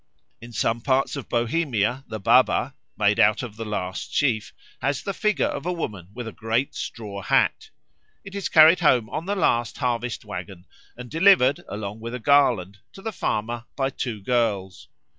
In some parts of Bohemia the Baba, made out of the last sheaf, has the figure of a woman with a great straw hat. It is carried home on the last harvest waggon and delivered, along with a garland, to the farmer by two girls.